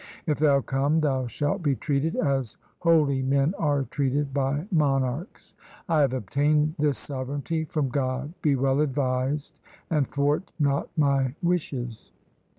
If thou come, thou shalt be treated as holy men are treated by monarchs. I have obtained this sovereignty from God. Be well advised, and thwart not my wishes.'